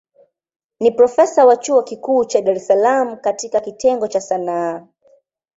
Ni profesa wa chuo kikuu cha Dar es Salaam katika kitengo cha Sanaa.